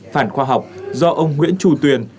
phản khoa học do ông nguyễn chu truyền